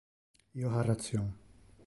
Io ha ration.